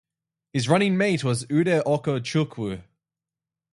His running mate was Ude Oko Chukwu.